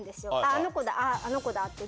あの子だ、あの子だって。